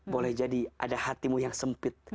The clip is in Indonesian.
boleh jadi ada hatimu yang sempit